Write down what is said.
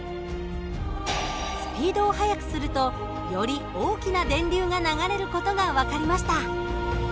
スピードを速くするとより大きな電流が流れる事が分かりました。